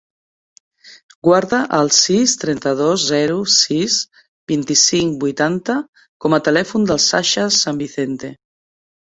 Guarda el sis, trenta-dos, zero, sis, vint-i-cinc, vuitanta com a telèfon del Sasha San Vicente.